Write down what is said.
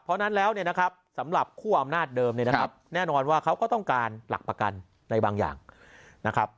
เพราะฉะนั้นแล้วเนี่ยนะครับสำหรับคู่อำนาจเดิมเนี่ยนะครับแน่นอนว่าเขาก็ต้องการหลักประกันในบางอย่างนะครับ